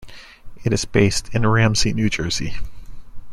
It is based in Ramsey, New Jersey.